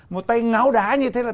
một tay ngáo đá như thế là